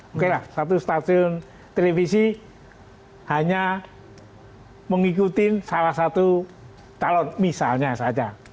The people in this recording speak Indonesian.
oke lah satu stasiun televisi hanya mengikuti salah satu calon misalnya saja